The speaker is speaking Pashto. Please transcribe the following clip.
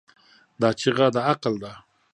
دا چیغه د عقل ده.